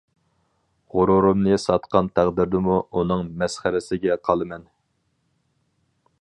غۇرۇرۇمنى ساتقان تەقدىردىمۇ ئۇنىڭ مەسخىرىسىگە قالىمەن.